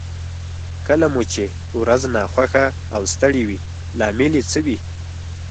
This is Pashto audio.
کله مو چې ورځ ناخوښه او ستړې وي لامل يې څه وي؟